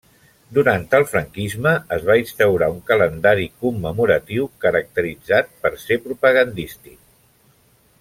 Durant el franquisme, es va instaurar un calendari commemoratiu caracteritzat per ser propagandístic.